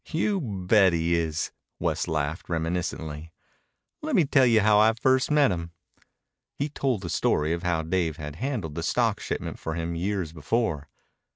"You bet he is." West laughed reminiscently. "Lemme tell you how I first met him." He told the story of how Dave had handled the stock shipment for him years before.